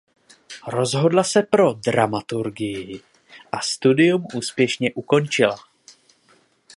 Rozhodla se pro dramaturgii a studium úspěšně ukončila.